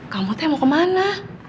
kamu tuh yang mau kemana